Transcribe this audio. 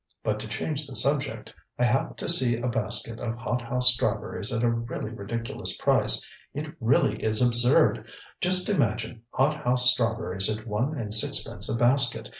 But to change the subject, I happened to see a basket of hothouse strawberries at a really ridiculous price; it really is absurd! Just imagine, hothouse strawberries at one and sixpence a basket!